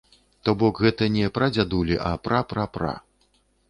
То бок гэта не прадзядулі, а пра-пра-пра.